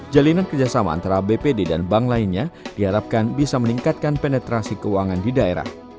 jalinan kerjasama antara bpd dan bank lainnya diharapkan bisa meningkatkan penetrasi keuangan di daerah